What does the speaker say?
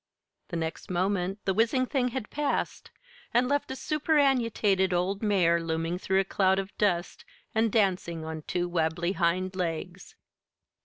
The next moment the whizzing thing had passed, and left a superannuated old mare looming through a cloud of dust and dancing on two wabbly hind legs.